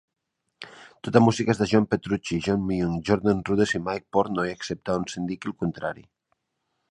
Tota música és de John Petrucci, John Myung, Jordan Rudess i Mike Portnoy excepte on s'indiqui el contrari.